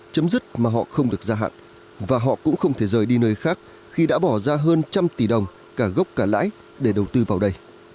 chấm dứt mà họ không được gia hạn và họ cũng không thể rời đi nơi khác khi đã bỏ ra hơn trăm tỷ đồng cả gốc cả lãi để đầu tư vào đây